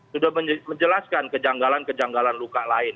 sudah menjelaskan kejanggalan kejanggalan luka lain